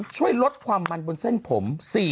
ช่วยลดความมันบนเส้นผม